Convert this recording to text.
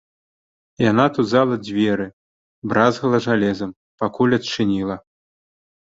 Яна тузала дзверы, бразгала жалезам, пакуль адчыніла.